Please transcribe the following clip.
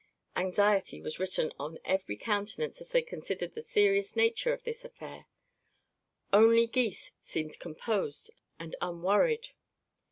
Anxiety was written on every countenance as they considered the serious nature of this affair. Only Gys seemed composed and unworried.